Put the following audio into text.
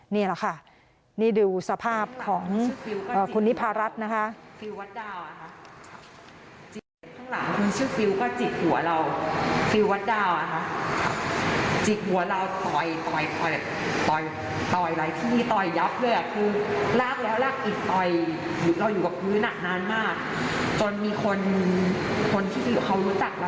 นี่แหละค่ะนี่ดูสภาพของคุณนิพารัฐนะคะ